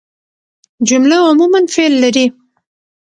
جمله عموماً فعل لري.